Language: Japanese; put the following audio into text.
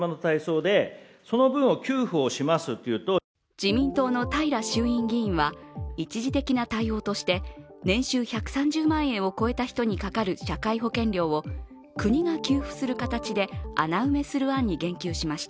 自民党の平衆院議員は、一時的な対応として年収１３０万円を超えた人にかかる社会保険料を国が給付する形で穴埋めする案に言及しました。